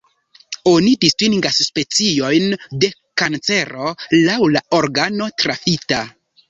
Oni distingas specojn de kancero laŭ la organo trafita.